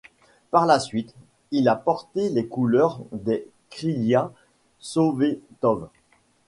Par la suite, il a porté les couleurs des Krylia Sovetov.